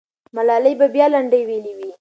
ملالۍ به بیا لنډۍ ویلي وي.